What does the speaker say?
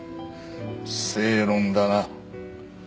正論だな。